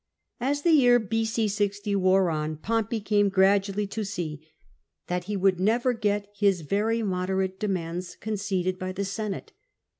As the year b.c. 60 wore on, Pompey came gradually to see that he would never get his very moderate demands conceded by the Senate.